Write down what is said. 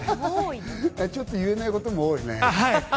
ちょっと言えないことも多いね。